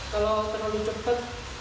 kalau terlalu cepat